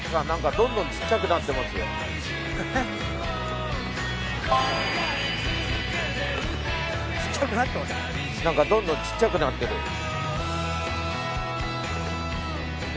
なんかどんどんちっちゃくなってる。